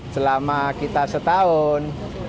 selama kita setahun